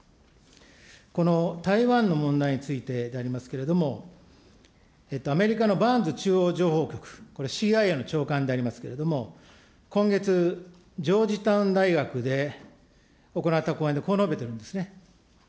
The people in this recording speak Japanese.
この台湾の問題についてでありますけれども、アメリカのバーンズ中央情報局、これ、ＣＩＡの長官でありますけれども、今月、ジョージタウン大学で行った講演でこう述べてるんですね。